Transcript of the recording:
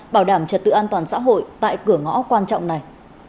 bảo đảm trật tự an toàn xã hội tại cửa ngõ quan trọng này